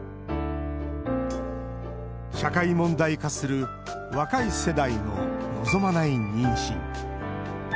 社会問題化する若い世代の望まない妊娠。